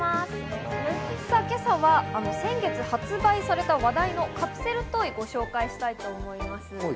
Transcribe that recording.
今朝は先月発売された話題のカプセルトイをご紹介します。